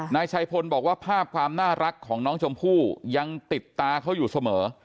นายชัยพลบอกว่าภาพความน่ารักของน้องชมพู่ยังติดตาเขาอยู่เสมอ